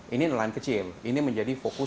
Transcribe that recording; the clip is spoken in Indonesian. ini nelayan kecil ini menjadi fokus